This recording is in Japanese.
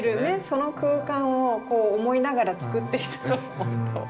その空間を思いながら作ってきたと思うと。